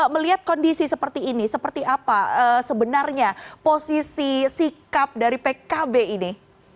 melihat kondisi seperti ini seperti apa sebenarnya posisi sikap dari pkb ini